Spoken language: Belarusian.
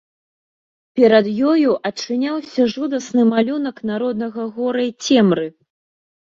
Перад ёю адчыняўся жудасны малюнак народнага гора й цемры.